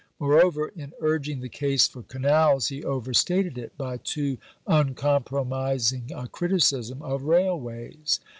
Moreover, in urging the case for canals, he overstated it by too uncompromising a criticism of railways.